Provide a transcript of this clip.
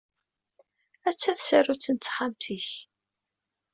Hatta tsarut n texxamt-ik.